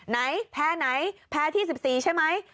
ไหนแพ้ไหนแพ้ที่๑๔ใช่ไหม